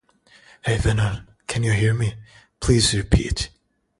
This act failed to satisfy either side.